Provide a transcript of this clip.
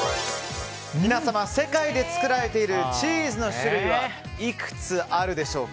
皆様、世界で作られているチーズの種類はいくつあるでしょうか？